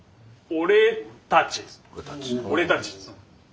俺たち。